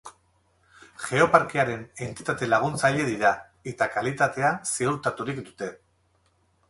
Geoparkearen entitate laguntzaile dira eta kalitatea ziurtaturik dute.